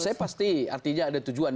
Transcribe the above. saya pasti artinya ada tujuan